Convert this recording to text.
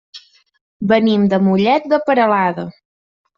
Venim de Mollet de Peralada.